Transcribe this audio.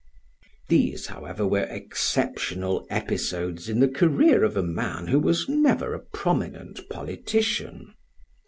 These, however, were exceptional episodes in the career of a man who was never a prominent politician.